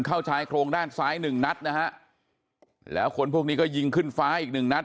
ชายโครงด้านซ้ายหนึ่งนัดนะฮะแล้วคนพวกนี้ก็ยิงขึ้นฟ้าอีกหนึ่งนัด